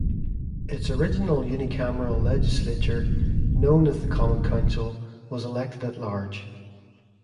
Its original unicameral legislature, known as the Common Council, was elected at-large.